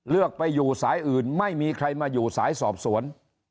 เลือกไปอยู่สายอื่นไม่มีใครมาอยู่สายสอบสวน